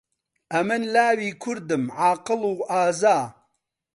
ئەمن لاوی کوردم، عاقڵ و ئازا.